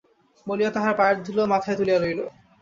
বলিয়া তাঁহার পায়ের ধূলা মাথায় তুলিয়া লইল।